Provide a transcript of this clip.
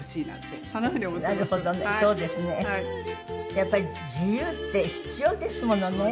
やっぱり自由って必要ですものね。